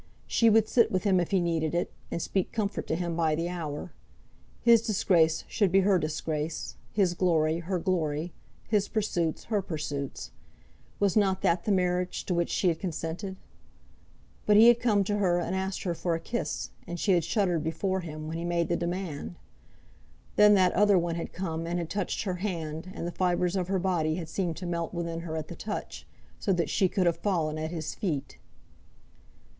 She would sit with him if he needed it, and speak comfort to him by the hour. His disgrace should be her disgrace; his glory her glory; his pursuits her pursuits. Was not that the marriage to which she had consented? But he had come to her and asked her for a kiss, and she had shuddered before him, when he made the demand. Then that other one had come and had touched her hand, and the fibres of her body had seemed to melt within her at the touch, so that she could have fallen at his feet.